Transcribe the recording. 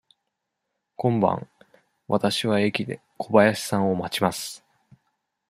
今晩、わたしは駅で小林さんを待ちます。